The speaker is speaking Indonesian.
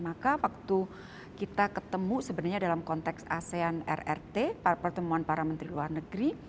maka waktu kita ketemu sebenarnya dalam konteks asean rrt pertemuan para menteri luar negeri